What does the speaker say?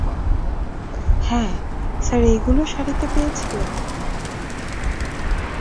হ্যাঁ, স্যার এইগুলোও সারিতে পেয়েছিলে?